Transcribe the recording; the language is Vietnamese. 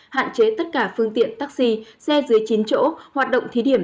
hạn chế tất cả phương tiện taxi xe dưới chín chỗ hoạt động thí điểm